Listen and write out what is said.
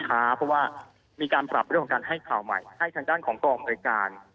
เพราะว่ามีการปรับเรื่องของการให้ข่าวใหม่ให้ทางด้านของกองอำนวยการ